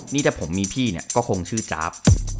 นี่ถ้าผมมีพี่เนี่ยก็คงชื่อจ๊าบ